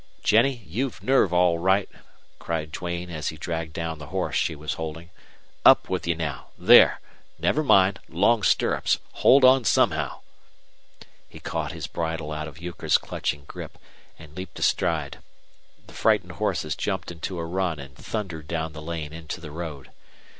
"Jennie, you've nerve, all right!" cried Duane, as he dragged down the horse she was holding. "Up with you now! There! Never mind long stirrups! Hang on somehow!" He caught his bridle out of Euchre's clutching grip and leaped astride. The frightened horses jumped into a run and thundered down the lane into the road.